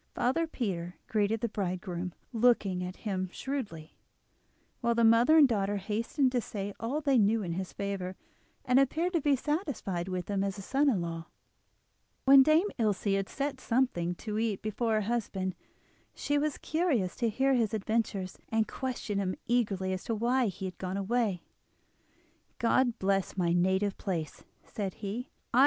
Father Peter greeted the bridegroom, looking at him shrewdly, while the mother and daughter hastened to say all they knew in his favour, and appeared to be satisfied with him as a son in law. When Dame Ilse had set something to eat before her husband, she was curious to hear his adventures, and questioned him eagerly as to why he had gone away. "God bless my native place," said he.